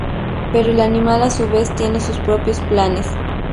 Pero el animal, a su vez, tiene sus propios planes...